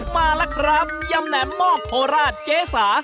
มาล่ะครับยำแหน่มหมอกโคราชเกษา